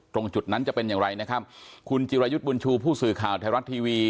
ตรงจุดนั้นจะเป็นอย่างไรนะครับคุณจิรายุทธ์บุญชูผู้สื่อข่าวไทยรัฐทีวี